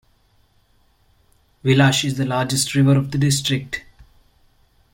Vilash is the largest river of the district.